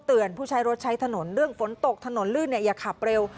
เตือนผู้ใช้รถใช้ถนด้าอย่าขับเร็ว